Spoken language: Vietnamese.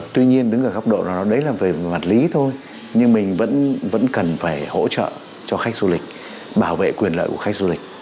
tuy nhiên đứng ở góc độ nào đấy là về mặt lý thôi nhưng mình vẫn cần phải hỗ trợ cho khách du lịch bảo vệ quyền lợi của khách du lịch